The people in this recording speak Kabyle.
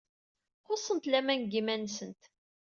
Xuṣṣent laman deg yiman-nsent.